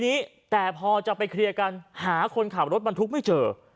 นี้แต่พอจะไปเคลียร์กันหาคนขับรถบรรทุกไม่เจอ